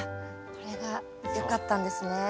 これがよかったんですね。